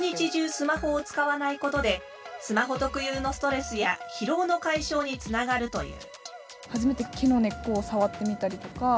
スマホを使わないことでスマホ特有のストレスや疲労の解消につながるという。